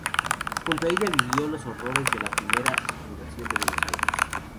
Junto a ella vivió los horrores de la primera fundación de Buenos Aires.